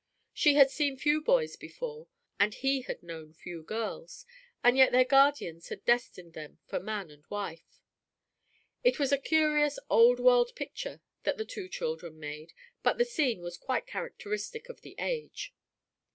She had seen few boys before, and he had known few girls, and yet their guardians had destined them for man and wife. It was a curious, old world picture that the two children made, but the scene was quite characteristic of the age.